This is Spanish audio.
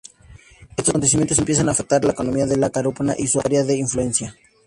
Estos acontecimientos empiezan a afectar la economía de Carúpano y su área de influencia.